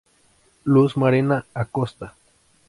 Luz Marina Acosta.